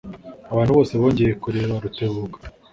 Abantu bose bongeye kureba Rutebuka.